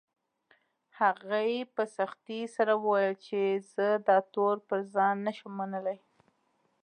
هغې په سختۍ سره وويل چې زه دا تور پر ځان نه شم منلی